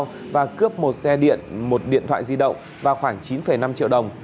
công an thị xã bến cát đã cướp một xe điện một điện thoại di động và khoảng chín năm triệu đồng